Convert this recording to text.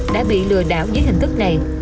đã bị lừa đảo dưới hình thức này